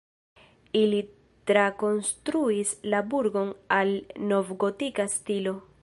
Ili trakonstruis la burgon al novgotika stilo.